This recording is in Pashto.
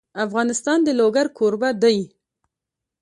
افغانستان د لوگر کوربه دی.